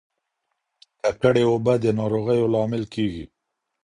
ککړې اوبه د ناروغیو لامل کیږي.